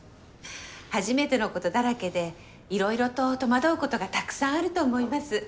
初めてのことだらけでいろいろと戸惑うことがたくさんあると思います。